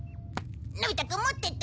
のび太くん持ってて。